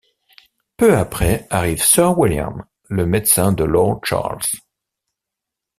Peu après arrive Sir William, le médecin de Lord Charles.